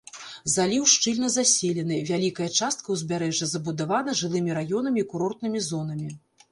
Заліў шчыльна заселены, вялікая частка ўзбярэжжа забудавана жылымі раёнамі і курортнымі зонамі.